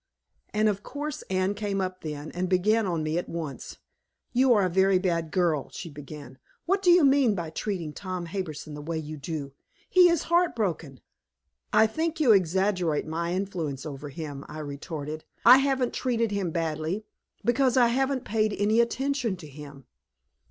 And, of course, Anne came up then, and began on me at once. "You are a very bad girl," she began. "What do you mean by treating Tom Harbison the way you do? He is heart broken." "I think you exaggerate my influence over him," I retorted. "I haven't treated him badly, because I haven't paid any attention to him."